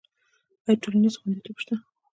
آیا ټولنیز خوندیتوب شته؟